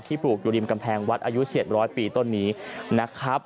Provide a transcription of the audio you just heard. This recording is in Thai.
ปลูกอยู่ริมกำแพงวัดอายุ๗๐๐ปีต้นนี้นะครับ